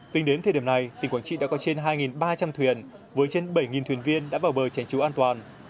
tính đến thời điểm này tỉnh quảng trị đã có trên hai ba trăm linh thuyền với trên bảy thuyền viên đã vào bờ tránh trú an toàn